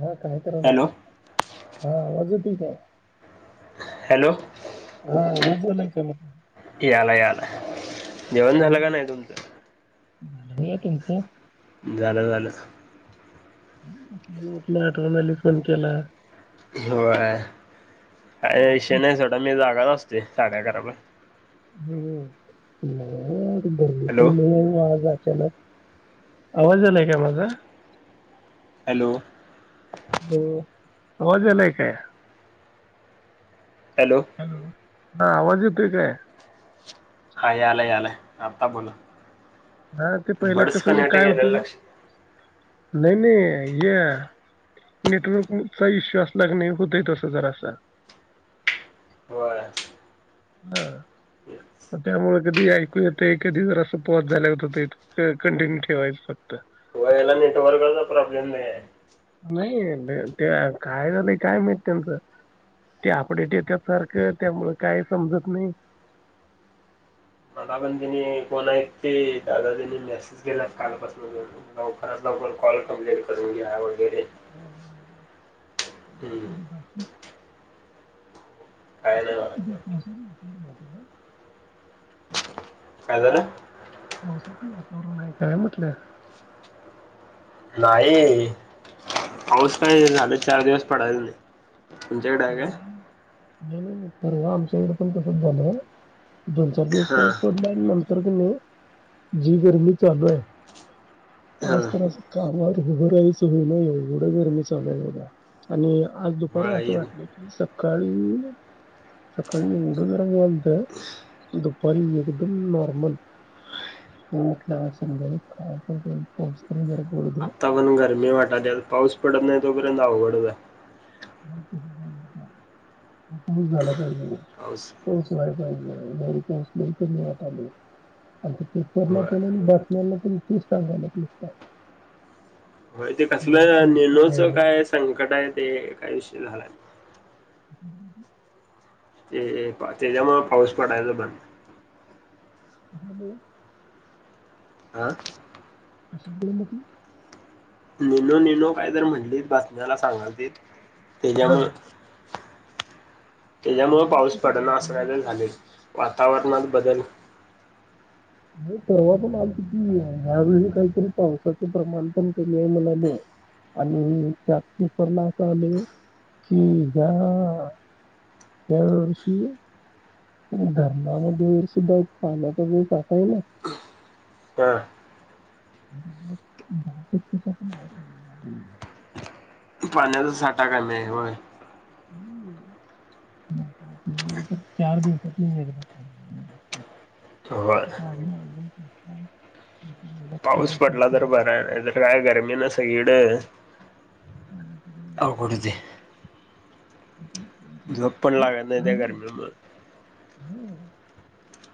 हा काय करलाय हॅलो आवाज येतोय काय - हॅलो - हां आवाज यायलाय काय म्हणलो. यायलाय -यायलाय जेवण हां, झालं का नाही तुमचं - झालं झालं- झालं म्हणून म्हटलं आठवण आली फोन केला. हो काही विषय नाही सोडा मी जागाच असतोय साडे अकरा पर्यंत - हम्म नाही. हॅलो चला आवाज आलाय का माझा - हॅलो हॅलो. आवाज यायलाय काय माझा - हॅलो हा आवाज येतोय काय - हा यायलय यायलाय आत्ता बोला - हा ते पहिला कसं काय होतं लक्ष ते- नाही नाही ये- नेटवर्कचा इश्यू असला क नाही होतय तस जरा अस- होय. हां त्यामुळे कधी ऐकू येत कधी जर असं पॉज झाल्याघत होत कंटिन्यू ठेवायचं फक्त- याला नेटवर्कचा प्रॉब्लेम नाही आहे. नाही ते काय झालंय काय माहीत त्यांचं! ते अपडेट येत सारखं त्यामुळ काय समजत नाही. मला पण तनी कोण आहेत ते दादा त्यांनी मेसेज केला कालपासून लवकरात -लवकर कॉल कंप्लीट करून घ्यावं हो हम्म, काय नाही म्हणायचं. [unintelligible] काय झालं पावसाचं वातावरण आहे काय म्हटलं नाही पाऊस काय झालं चार दिवस पडायच नाही तुमच्याकडे आहे काय नाही नाही नाही परवा आमच्या इकडं पण तसंच झालं दोन चार दिवस हा पाऊस पडला आणि नंतर कनी जी गरमी चालू आहे. हा आज तर असं कामावर उभं राहायचं होईना एवढं गरमी चालूय बघा. आणि आज दुपारी बरं असं येईल वाटलं की, सकाळी सकाळी एवढं गरम व्हालतं दुपारी एकदम नॉर्मल. संध्याकाळी कायपण करून पाऊस पण जरा. पडू दे. आत्ता पण गरमी वाटाल्या पाऊस पडत नाही तोपर्यंत अवघडच आहे. पाऊस झाला पाहिजे ओ पाऊस व्हाय पाहिजे. यावेळी पाऊस लय कमी वाटलय [unintelligible] आणि पेपरला होय तेण आणि बातम्यांना पण तेच सांगाल्यात नुसता. होय ते एवढा कसलं पाऊस कमी आहे नेणोचं म्हणून. काय संकट आहे, ते काय विषय झालाय. हम्म. ते त्याच्यामुळं पाऊस पडायला बंद हाय. हॅलो. आं कशामुळं म्हटला. निनो निनो काय तर म्हटलीत बातम्याला सांगालतित हां. त्याच्यामुळं. त्याच्यामुळं पाऊस पडणा असं बातम्या कायतर झालंय वातावरणात बदल. नाही परवा पण आलतं की, ह्यावेेळी काहीतरी पावसाचं प्रमाण पण कमी आहे म्हणाले. आणि त्यात पेपरला असं आलंय की ज्या ह्या यावर्षी धरणामध्ये सुद्धा पाण्याचा जो साठा आहे नाही हां. दहा टक्केच्या पण आत आ [unintelligible] हे म्हणून दाखवालतीत पाण्याचा साठा कमीय हाय होय. हम्म. चार दिवसात होय [unintelligible] [unintelligible] पाऊस होतंय पडला काय तर बरं आहे, नाही तर काय गर्मीनं सगळीकडं. बर अवघड होतंय. झोप पण लागत नाही त्या गरमीमुळं. हम्म.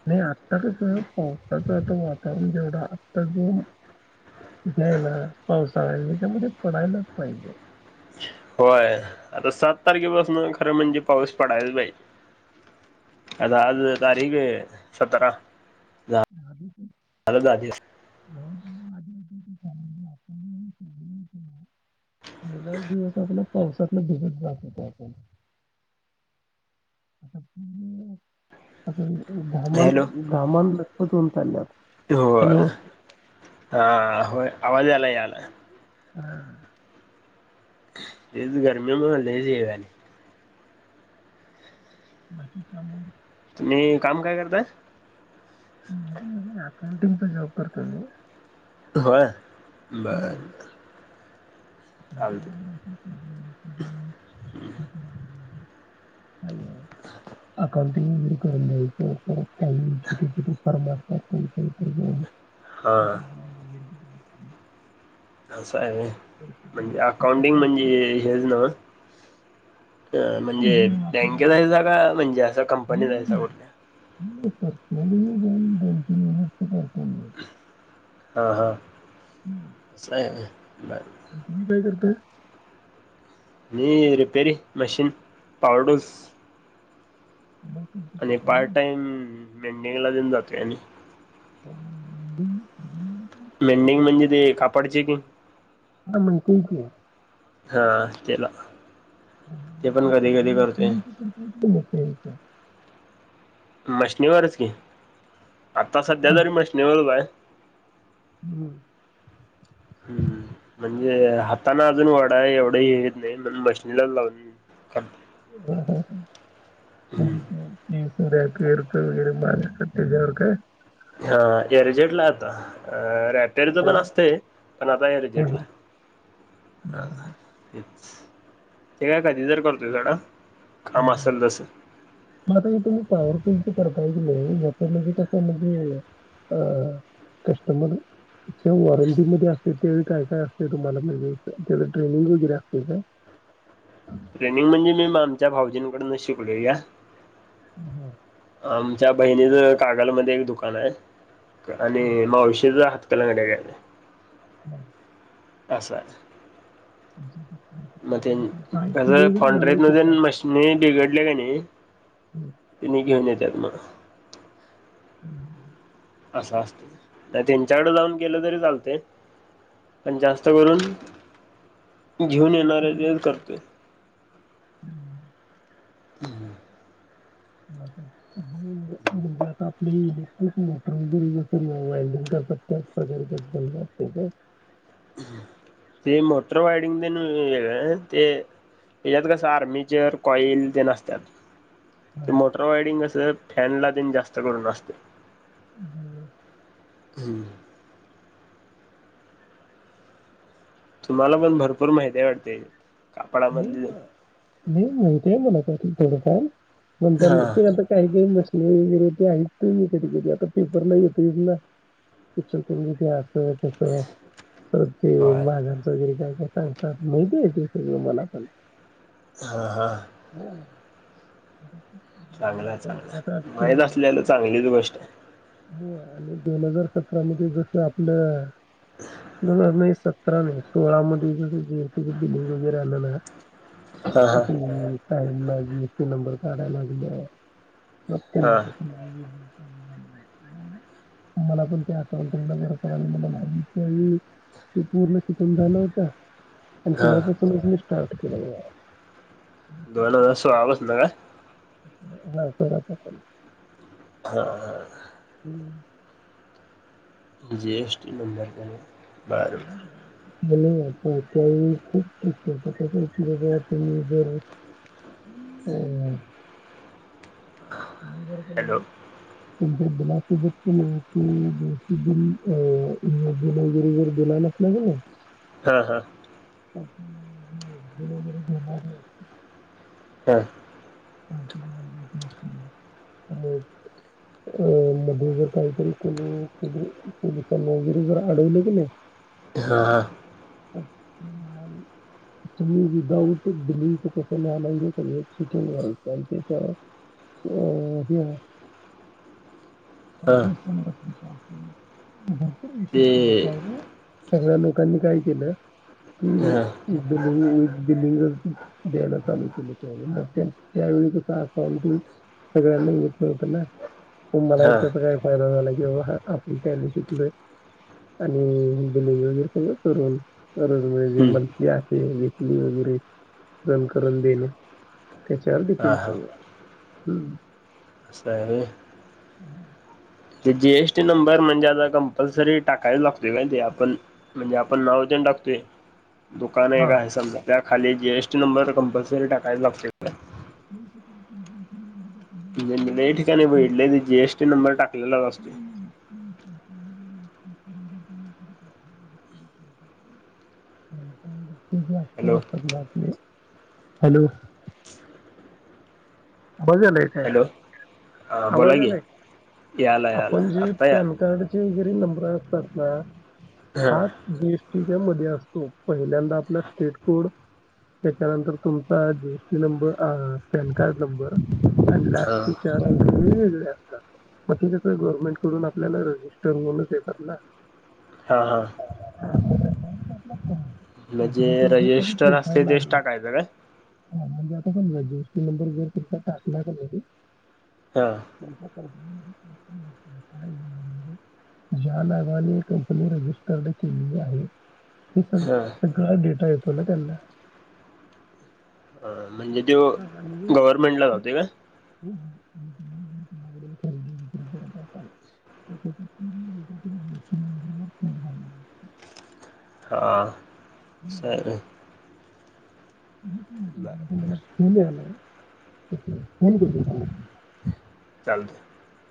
नाही आत्ता कसं पावसाचं आता वातावरण जेवढं आत्ताच. द्यायला पावसाळा त्यामध्ये पडायलाच पाहिजे. होय आता सात तारखेपासनं खरं म्हणजे पाऊस पडायच पाहिजे. आज आज तारीख सतरा. आदी. हॅलो दाजी. माझ [inaudible] पहिलाच दिवस आपला पावसातनं भिजत जात होतो आपण. [unintelligible] हॅलो घामानं घामानं लतपत होऊन चालल्यात हॅलो. आ होय आवाज आला याला. हा इ गर्मि म झाले सवा [unintelligible] बाकी कामो. हे काम काय करतय. पेंटिंगचा जॉब करत मी. होय बर. चालते [unintelligible] अ अकण [unintelligible] करून द्यायचं परत काही छोटे- छोटे फरमारतात. तेल हां असं आहे पैसे म्हणजे अकाउंटिंग द्यायचे. म्हणजे हेच ना. अ म्हणजे उजमेळ आपला बँकेत जायचा का म्हणजे असं कंपनी जायचा कुठल्या म ग बत. हा हा आहे. आ तुम्ही काय करताय. मी रिपेरी मशीन पावडस. ब आणि पार्ट टाइम मेंटेनला देन जातोय आणि ह मेंडिंग म्हणजे ते कापडचे की [unintelligible] [unintelligible] हा ते पण कधी साध कधी करतोय मशनी वर पण म मशनीवरच कि आता सध्या हा. तरी मशनीवरच आहे. हम्म म म्हणजे हाताने अजून वडा आहे एवढं हेेत नाही म्हण मशनीला लावून करतोय हम्म [unintelligible] [unintelligible] हा येरे जटला आता अ रॅपरीच पण बरं. असते पण आता हे हं, रिजेटला हं. हाच हे काय कधी जर करतोय झाडा ह ह मता तुम्ही पावररते पाहिजे नाही याच म्हणजे कसं म्हणजे अ कस्टमर त्या वॉरंटीमध्ये असते त्याळी काय काय असत तुम्हाला म्हणजे त्या ट्रेनिंग वगैरे असते का. [unintelligible] रनिंग म्हणजे मी आमच्या भाऊजींकडन शिकलोया. [unintelligible] आमच्या बहिणीच कागलमध्ये एक दुकान आहे आणि मावशीच राहत उत्तलंगड्या काले हो. आशा मग तुमचं ते वगैरे फॉढ्रे झालंय की मधून काय मशिनी बिघडले का नाही. तन घेऊन येत्यात मग [unintelligible] असं असत नाही त्यांच्याकड जाऊन गेलं तरी चालते. पण जास्त करून घेऊन येणारे ते करते. [unintelligible] हम्म. म्हजे आता आपले मोटर वगैरेल्डिंग करतात ब अस का ते [inaudible] मोटर वायडिंग देण वेगळ ते याच्यात कसं आर्मीचेर कॉइल ते असतात. हां. ते मोटर वायडिंग कस फॅनला तेन जास्त करून असते. हं. हम्म. तुम्हाला पण भरपूर माहिती वाटते नाही कापडामधल मग नाही माहित आहे मला त्यातल थोडं फार म्हण हा ते आता काही काही बसले वैरे ते आहेत तुही कधी कधी आता पेपर नाही येत ना पिक्चर तुम तस ते होय माघांच वगैरे काय- काय सांगतात माहिती आहे ते मला पण हां हां. हा, [unintelligible] मला चांगलंय असं वाटतं की आता चांगलय ते माहीत आसल्याल चांगलीच गोष्टय. हे आणि दोन हजार सतरा मध्ये जस आपलं दोन हजार नाई सतरा नाई सोळा मध्ये जे जी एस टी दिली वगैरे आले ना [unintelligible] हाय. हा ती नुस्ती नंबर काढायला लागल्या पण हा [unintelligible] [unintelligible] मला पण ते आठवलं [unintelligible] ते पूर्ण शिकून झालं होत आणि हा तेव्हा पासू हा स्टार्ट केल्याल. दोन हजार सोळा पासंन का? नाही [unintelligible] हां हां. हम्म. G S T number [unintelligible] [unintelligible] [unintelligible] hello [unintelligible] [unintelligible] हम्म. हां हां. [unintelligible] हां. [unintelligible] अ मध्ये जर काही तरी कोणी पो पोलिसांना वगैरे जर अडवलं की नाही हां हां. [unintelligible] तुम्ही विदाउट बिलिंग [unintelligible] सिटिंग करायचं आणि त्याच्या होय. हा ते [unintelligible] सगळ्या लोकांनी काय केलं कि हा बिलिंग बिल्लिंग द्यायला चालू केले त्या [unintelligible] सगळ्यांना येत नव्हतं ना मला हा [unintelligible] [unintelligible] शिकलोय आणि हे बिलिंग वगैर सगळ हम्म [unintelligible] [unintelligible] जण करून देणे. त्याच्यावर हा हा [unintelligible] [unintelligible] ते जी एस टी नंबर म्हंजे आता कम्पलसरी टाकायच लागतो का, ते आपण म्हंजे आपण नाव ज्या लागतोय. दुकान एक हा आहे समजा त्या खाली G S T number compulsory टाकायला लागतोय. [unintelligible] लै ठिकाणी बघीतलय जी एस टी नंबर टाकलेला असतो. [unintelligible] [unintelligible] Hello [unintelligible] hello. मजा नाही काय. हॅलो हा बोला आवाज आलेय की याला याला आपण जे आत्ता या पॅन कार्डचे वगैरे नंबर [unintelligible] हा हात दिस [unintelligible] मध्ये असतो, पहिल्यांदा आपला स्टेट कोड त्याच्यानंतर तुमचा जीएसटी नंबर, अ पॅन कार्ड नंबर आणि हा लास्टचे चार अंक [unintelligible] वेगळे असतात. म ते कस गव्हर्नमेंटकडून आपल्याला रजिस्टर होऊनच येतात ना हा हा. [unintelligible] कंपनीचा म्हणजे जो काही रजिस्टर असते प्रोफाईल तेच आहे टाकायचं काय हा म्हणजे आत आपण [unintelligible] नंबर जर तुमचा टाकला कणी हा. [unintelligible] ज्या नावाने कंपनी रजिस्टर्ड केलेली आहे. ते सग हा सगळा डेटा येतो ना त्यांना हा म्हणजे त्यो हां, हां. म्हणजे गव्हर्मेंटला जातोय काय? हो, हो. आणि तुम्ही जर [unintelligible] कडील खरेदी [unintelligible] करत असाल, तर त्याचे पूर्ण [unintelligible] हा सर [unintelligible] फोन यालाय [unintelligible] फोन करतो तुम्हाला चाल [unintelligible]